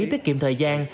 tiết kiệm thời gian